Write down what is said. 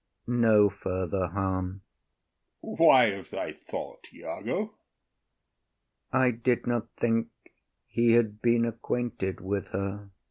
No further harm. OTHELLO. Why of thy thought, Iago? IAGO. I did not think he had been acquainted with her.